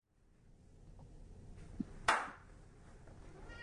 鸟井坂面影堂魔法使魔法指环